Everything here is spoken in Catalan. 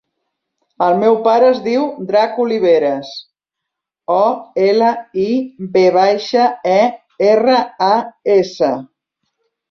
El meu pare es diu Drac Oliveras: o, ela, i, ve baixa, e, erra, a, essa.